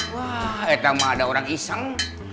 wah etamah ada orang iseng